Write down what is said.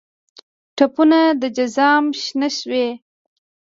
ټپونه د جزام شنه شوي